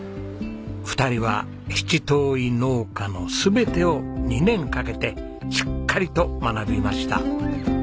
２人は七島藺農家の全てを２年かけてしっかりと学びました。